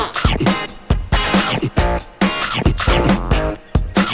เรียบร้อย